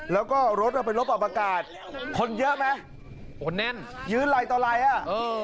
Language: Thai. แล้วก็รถเอาเป็นรถอับอากาศคนเยอะไหมคนแน่นยืนไหล่ต่อไหล่อ่ะ